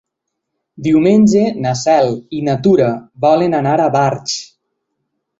Diumenge na Cel i na Tura volen anar a Barx.